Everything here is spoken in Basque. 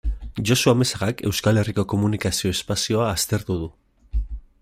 Josu Amezagak Euskal Herriko komunikazio espazioa aztertu du.